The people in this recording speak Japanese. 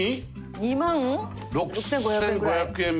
２万６５００円ぐらい。